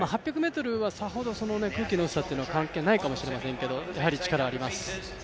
８００ｍはさほど空気の薄さは関係ないと思いますけどやはり、力、あります。